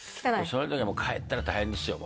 その時は帰ったら大変ですよ